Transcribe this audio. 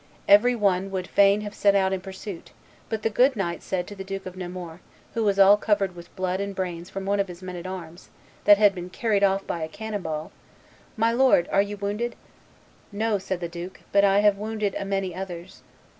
Every one would fain have set out in pursuit; but the good knight said to the Duke of Nemours, who was all covered with blood and brains from one of his men at arms, that had been carried off by a cannon ball, 'My lord, are you wounded?' 'No,' said the duke, 'but I have wounded a many others.